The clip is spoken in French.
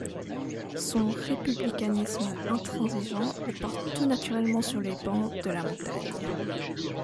Son républicanisme intransigeant le porte tout naturellement sur les bancs de la Montagne.